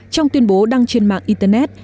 trong tuyên bố đăng trên mạng internet